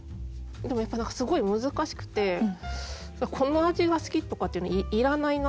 でもやっぱ何かすごい難しくて「この味が好き」とかっていらないなって。